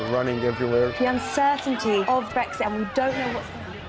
ketakutan dari brexit dan kita tidak tahu apa yang terjadi